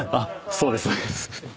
そうです。